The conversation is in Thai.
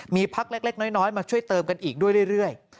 มีพักเล็กน้อยมาช่วยเติมกันอีกด้วยเรื่อย